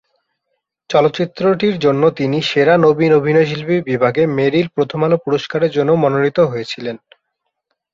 চলচ্চিত্রটির জন্য তিনি 'সেরা নবীন অভিনয়শিল্পী' বিভাগে মেরিল প্রথম আলো পুরস্কারের জন্য মনোনীত হয়েছিলেন।